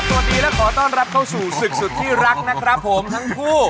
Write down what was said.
สวัสดีและขอต้อนรับเข้าสู่ศึกสุดที่รักนะครับผมทั้งคู่